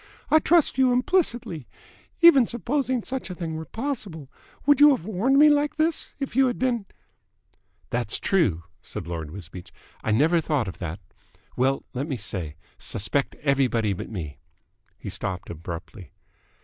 "I trust you implicitly. Even supposing such a thing were possible, would you have warned me like this, if you had been ?" "That's true," said Lord Wisbeach. "I never thought of that. Well, let me say, suspect everybody but me." He stopped abruptly.